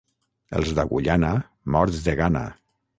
Els d'Agullana, morts de gana.